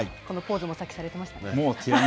このポーズも、さっきされていましたね。